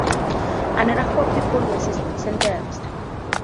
Another four people were sentenced.